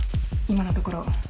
今のところ何も。